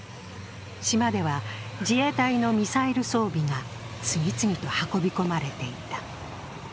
島では、自衛隊のミサイル装備が次々と運び込まれていた。